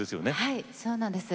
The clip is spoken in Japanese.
はいそうなんです。